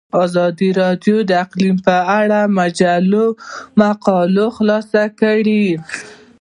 ازادي راډیو د اقلیم په اړه د مجلو مقالو خلاصه کړې.